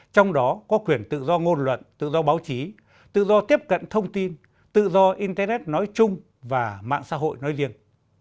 trong đó có quyền tự do ngôn luận tự do báo chí tự do tiếp cận thông tin tự do internet nói chung và mạng xã hội nói riêng